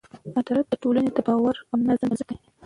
عدالت د ټولنې د باور او نظم بنسټ دی.